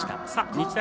日大